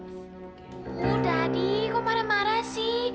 oh daddy kok marah marah sih